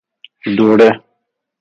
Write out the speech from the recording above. دوره